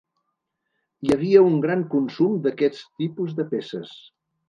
Hi havia un gran consum d'aquests tipus de peces.